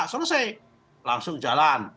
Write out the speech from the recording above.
selesai langsung jalan